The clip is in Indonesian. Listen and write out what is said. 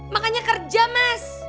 makanya kerja mas